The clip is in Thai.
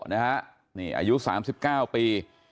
นะฮะนี่อายุ๓๙ปี